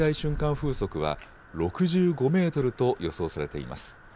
風速は６５メートルと予想されています。